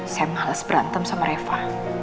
saya males berantem sama reva